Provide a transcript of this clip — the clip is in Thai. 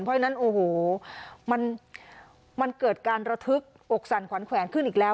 เพราะฉะนั้นโอ้โหมันเกิดการระทึกอกสั่นขวัญแขวนขึ้นอีกแล้ว